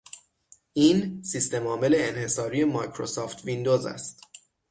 این، سیستمعامل انحصاری مایکروسافت ویندوز است